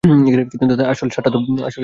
কিন্তু তাতে তো আসল স্বাদটা পাওয়া যাবে না।